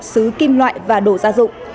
xứ kim loại và đồ gia dụng